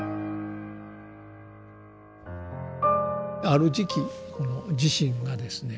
ある時期この慈信がですね